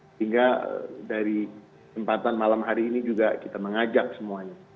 sehingga dari tempatan malam hari ini juga kita mengajak semuanya